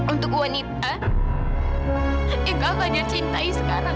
untuk wanita yang kak fadil cintai sekarang